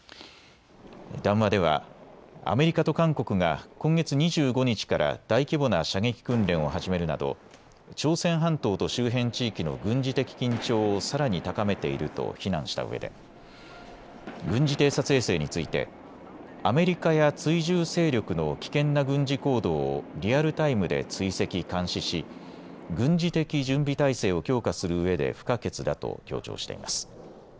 談話ではアメリカと韓国が今月２５日から大規模な射撃訓練を始めるなど朝鮮半島と周辺地域の軍事的緊張をさらに高めていると非難したうえで軍事偵察衛星についてアメリカや追従勢力の危険な軍事行動をリアルタイムで追跡・監視し軍事的準備態勢を強化するうえで不可欠だと強調しています。